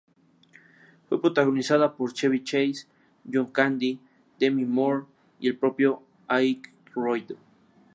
Fue protagonizada por Chevy Chase, John Candy, Demi Moore y el propio Aykroyd.